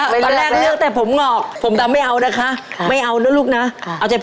ทั้งหงอกทั้งดำเอาหมด